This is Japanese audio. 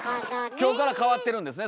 今日から変わってるんですね